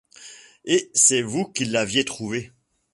Et c’est vous qui l’aviez trouvé!